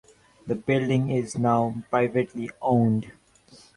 The building is now privately owned.